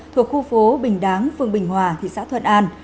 thuộc khu phố bình đáng phường bình hòa thị xã thuận an